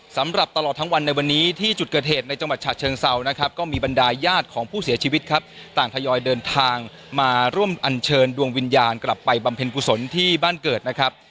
สำหรับตลอดทั้งวันในวันนี้ที่จุดเกิดเหตุในจังหวัดฉะเชิงเซานะครับก็มีบรรดายญาติของผู้เสียชีวิตครับต่างทยอยเดินทางมาร่วมอันเชิญดวงวิญญาณกลับไปบำเพ็ญกุศลที่บ้านเกิดนะครับ